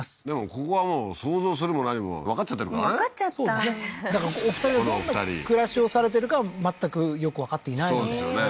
ここはもう想像するも何もわかっちゃってるからねわかっちゃったそうですねだからお二人はどんな暮らしをされてるかは全くよくわかっていないそうですよね